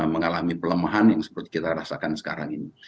mengalami pelemahan yang seperti kita rasakan sekarang ini